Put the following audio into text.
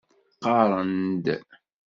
Qarren-d.